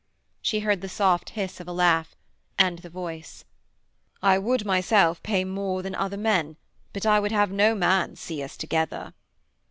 She heard the soft hiss of a laugh, and the voice: 'I would myself pay more than other men, but I would have no man see us together.'